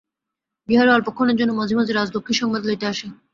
বিহারী অল্পক্ষণের জন্য মাঝে মাঝে রাজলক্ষ্মীর সংবাদ লইতে আসে।